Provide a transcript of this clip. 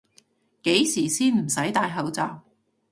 幾時先唔使戴口罩？